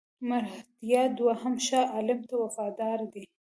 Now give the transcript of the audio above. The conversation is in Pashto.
مرهټیان دوهم شاه عالم ته وفادار دي.